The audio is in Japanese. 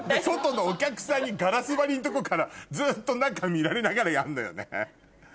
外のお客さんにガラス張りのとこからずっと中見られながらやるのよね。